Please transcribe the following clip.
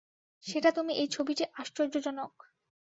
সেটা তুমি এই ছবিটি আশ্চর্যজনক।